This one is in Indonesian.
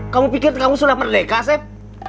kamu pikir kamu sudah merdeka asep